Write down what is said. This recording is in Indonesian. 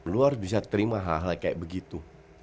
lu harus bisa terima hal hal kayak begitu